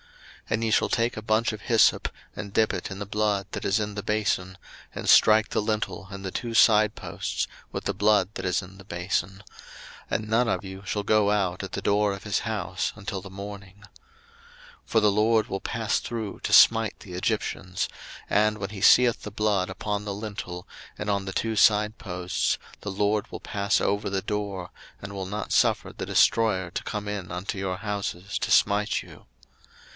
02:012:022 And ye shall take a bunch of hyssop, and dip it in the blood that is in the bason, and strike the lintel and the two side posts with the blood that is in the bason; and none of you shall go out at the door of his house until the morning. 02:012:023 For the LORD will pass through to smite the Egyptians; and when he seeth the blood upon the lintel, and on the two side posts, the LORD will pass over the door, and will not suffer the destroyer to come in unto your houses to smite you.